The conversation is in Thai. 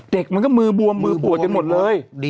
เด็กมันก็มือบวมมือปวดกันหมดเลย